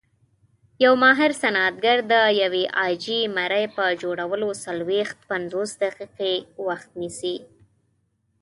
یو ماهر صنعتګر د یوې عاجي مرۍ په جوړولو څلويښت - پنځوس دقیقې وخت نیسي.